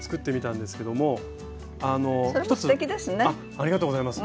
ありがとうございます。